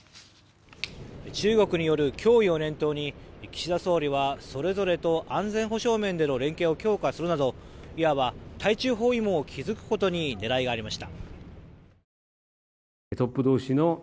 中国による脅威を念頭に岸田総理はそれぞれと安全保障面での連携を強化するなどいわば「対中包囲網」を築くことに狙いがありました。